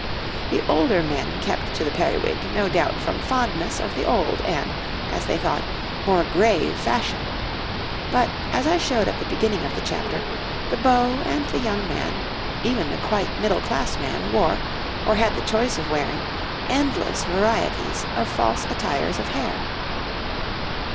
The older men kept to the periwig no doubt from fondness of the old and, as they thought, more grave fashion; but, as I showed at the beginning of the chapter, the beau and the young man, even the quite middle class man, wore, or had the choice of wearing, endless varieties of false attires of hair.